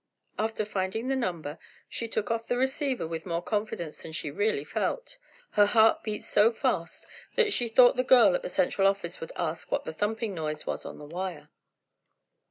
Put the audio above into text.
After finding the number, she took off the receiver with more confidence than she really felt. Her heart beat so fast that she thought the girl at the central office would ask what that thumping noise was on the wire!